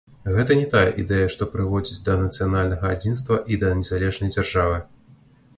Гэта не тая ідэя, што прыводзіць да нацыянальнага адзінства і да незалежнай дзяржавы.